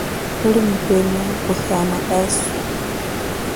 Uli mupema kuhiana eswe.